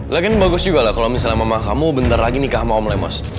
lagi ini bagus juga lah kalau misalnya mama kamu bentar lagi nikah sama om lemos